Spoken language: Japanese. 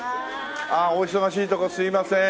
お忙しいところすいません。